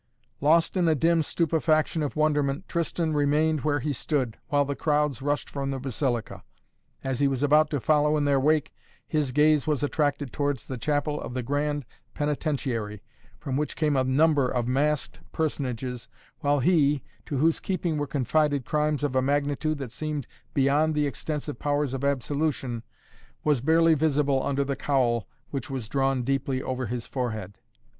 Lost in a dim stupefaction of wonderment, Tristan remained where he stood, while the crowds rushed from the Basilica. As he was about to follow in their wake, his gaze was attracted towards the chapel of the Grand Penitentiary, from which came a number of masked personages while he, to whose keeping were confided crimes of a magnitude that seemed beyond the extensive powers of absolution, was barely visible under the cowl, which was drawn deeply over his forehead.